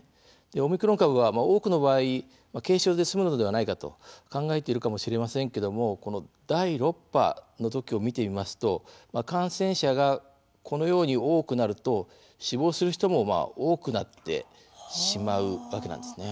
オミクロン株は、多くの場合軽症で済むのではないかと考えているかもしれませんけども第６波のときを見てみますと感染者がこのように多くなると死亡する人も多くなってしまうわけなんですね。